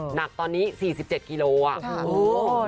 หนักตอนนี้๔๗กิโลกรัม